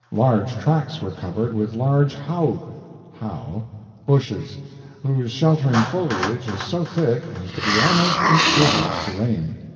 Large tracts were covered with large hau (how) bushes, whose sheltering foliage is so thick as to be almost impervious to rain.